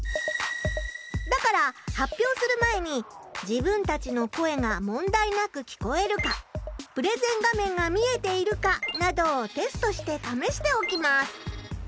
だから発表する前に自分たちの声が問題なく聞こえるかプレゼン画面が見えているかなどをテストしてためしておきます。